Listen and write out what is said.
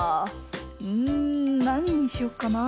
うんなににしよっかな。